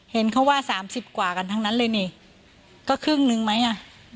เห็นเขาว่าสามสิบกว่ากันทั้งนั้นเลยนี่ก็ครึ่งนึงไหมอ่ะ